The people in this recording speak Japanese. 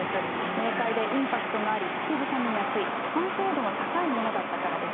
明快でインパクトがあり、口ずさみやすい、完成度の高いものだったからです。